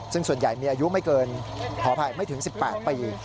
ซึ่งส่วนใหญ่มีอายุไม่เกินขออภัยไม่ถึง๑๘ปี